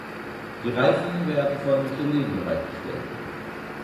Die Reifen werden von Michelin bereitgestellt.